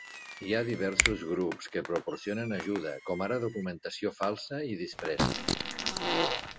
Hi ha diversos grups que proporcionen ajuda, com ara documentació falsa i disfresses.